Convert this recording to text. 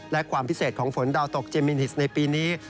และความพิเศษของฝนดาวตกเจมินฮิสในปีนี้